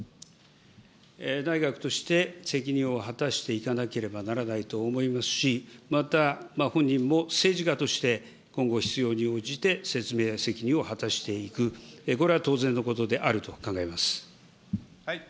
内閣として責任を果たしていかなければならないと思いますし、また、本人も政治家として、今後必要に応じて説明責任を果たしていく、これは当然のことであると考えます。